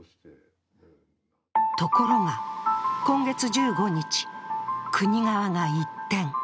ところが、今月１５日、国側が一転。